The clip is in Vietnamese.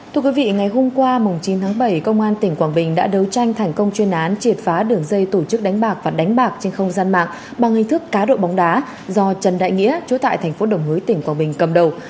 thưa quý vị ngày hôm qua chín tháng bảy công an tỉnh quảng bình đã đấu tranh thành công chuyên án triệt phá đường dây tổ chức đánh bạc và đánh bạc trên không gian mạng bằng hình thức cá độ bóng đá do trần đại nghĩa chú tại thành phố đồng hới tỉnh quảng bình cầm đầu